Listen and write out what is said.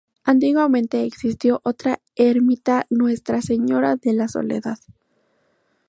Antiguamente existió otra ermita, Nuestra Señora de la Soledad.